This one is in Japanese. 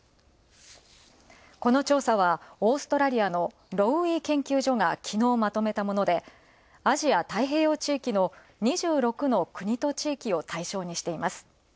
この調査はオーストラリアのロウイー研究所が、きのうまとめたもので、アジア太平洋地域の２６の国と地域を対象にしています。